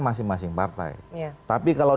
masing masing partai tapi kalau